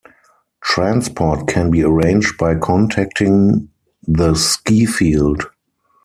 Transport can be arranged by contacting the skifield.